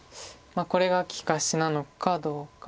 これが利かしなのかどうか。